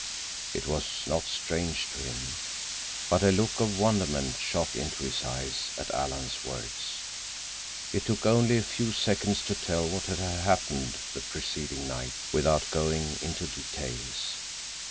It was not strange to him. But a look of wonderment shot into his eyes at Alan's words. It took only a few seconds to tell what had happened the preceding night, without going into details.